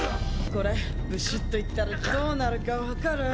これブシュっていったらどうなるかわかる？